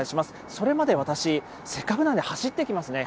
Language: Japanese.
それまで、私、せっかくなんで走ってきますね。